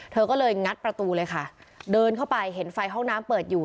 เธอก็เลยงัดประตูเลยค่ะเดินเข้าไปเห็นไฟห้องน้ำเปิดอยู่